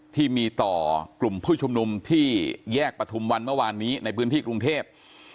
ที่มีต่อกลุ่มผู้ชุมนุมที่แยกประทุมวันเมื่อวานนี้ในพื้นที่กรุงเทพ